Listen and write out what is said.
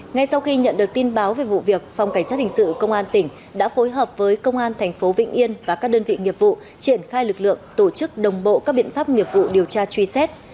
ngay sau khi nhận được tin báo về vụ việc phòng cảnh sát hình sự công an tỉnh đã phối hợp với công an thành phố vĩnh yên và các đơn vị nghiệp vụ triển khai lực lượng tổ chức đồng bộ các biện pháp nghiệp vụ điều tra truy xét